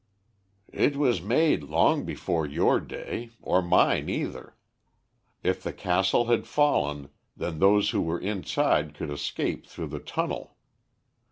"It was made long before your day, or mine either. If the castle had fallen, then those who were inside could escape through the tunnel.